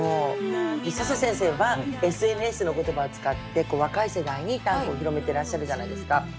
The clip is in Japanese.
笹先生はＳＮＳの言葉を使って若い世代に短歌を広めてらっしゃるじゃないですか。